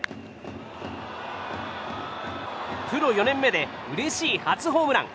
プロ４年目でうれしい初ホームラン。